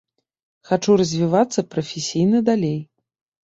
Хачу развівацца прафесійна далей.